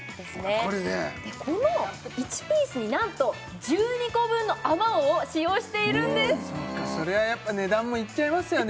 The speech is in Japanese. これでこの１ピースになんと１２個分のあまおうを使用しているんですそれはやっぱ値段もいっちゃいますよね